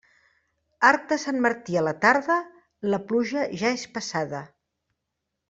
Arc de Sant Martí a la tarda, la pluja ja és passada.